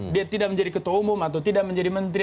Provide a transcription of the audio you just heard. dia tidak menjadi ketua umum atau tidak menjadi menteri